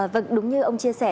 vâng đúng như ông chia sẻ